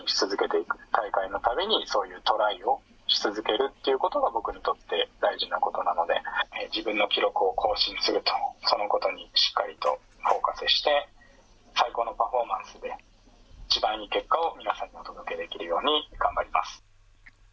大会の度にそういうトライをし続けるということが僕にとって大事なことなので自分の記録を更新するとそのことにしっかりとフォーカスして最高のパフォーマンスで一番いい結果を皆さんにお届けできるように頑張ります。